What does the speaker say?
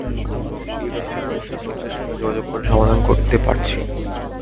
কোনো অসুবিধা হলে আমরা দূতাবাসের সঙ্গে যোগাযোগ করে সমাধান করতে পারছি।